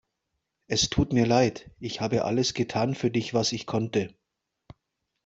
Es tut mir leid, ich habe alles getan für dich was ich konnte.